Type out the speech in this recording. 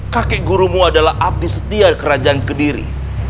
kakek gurumu adalah abdi setia kerajaan kediri